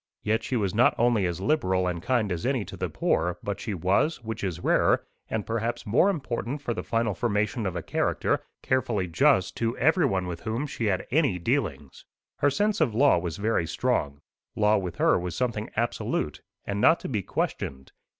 Yet she was not only as liberal and kind as any to the poor, but she was, which is rarer, and perhaps more important for the final formation of a character, carefully just to everyone with whom she had any dealings. Her sense of law was very strong. Law with her was something absolute, and not to be questioned.